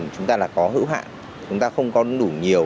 chúng ta là có hữu hạn chúng ta không có đủ nhiều